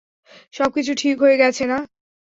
সবকিছু ঠিক হয়ে গেছে না।